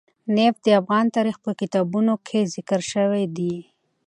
نفت د افغان تاریخ په کتابونو کې ذکر شوی دي.